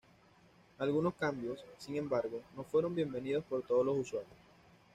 Algunos cambios, sin embargo, no fueron bienvenidos por todos los usuarios.